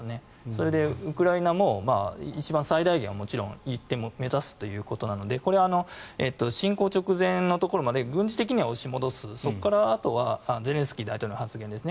それで、ウクライナも一番最大限はもちろん目指すということなのでこれは侵攻直前のところまで軍事的には押し戻すそこからあとはゼレンスキー大統領の発言です